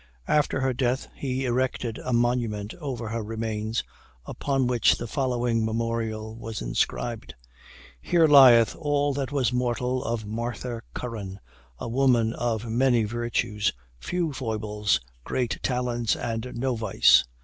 After her death, he erected a monument over her remains, upon which the following memorial was inscribed: "Here lieth all that was mortal of Martha Curran a woman of many virtues, few foibles, great talents, and no vice.